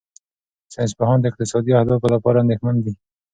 ساینسپوهان د اقتصادي اهدافو لپاره اندېښمن دي.